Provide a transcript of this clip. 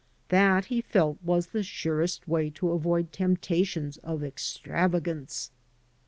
That, he felt, was the surest way to avoid temptations of extravagance.